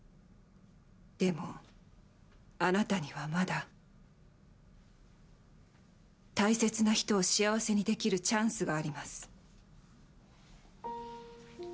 でもあなたにはまだ大切な人を幸せにできるチャンスがあります。